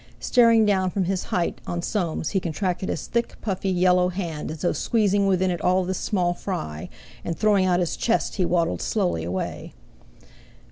Staring down from his height on Soames he contracted his thick, puffy, yellow hand as though squeezing within it all this small fry, and throwing out his chest he waddled slowly away.